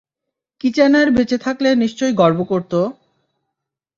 Kitchener বেঁচে থাকলে নিশ্চয়ই গর্ব করত!